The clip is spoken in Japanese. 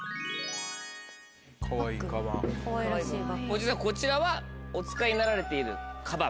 実はこちらはお使いになられているカバン。